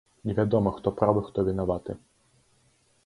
Невядома, хто правы, хто вінаваты.